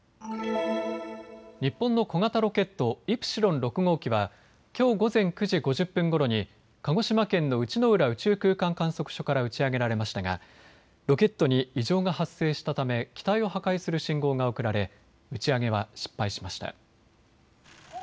日本の小型ロケット、イプシロン６号機はきょう午前９時５０分ごろに鹿児島県の内之浦宇宙空間観測所から打ち上げられましたがロケットに異常が発生したため機体を破壊する信号が送られ打ち上げは失敗しました。